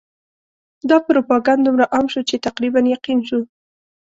دا پروپاګند دومره عام شو چې تقریباً یقین شو.